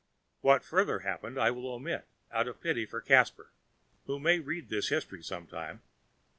What further happened I will omit, out of pity for Caspar, who may read this history some time.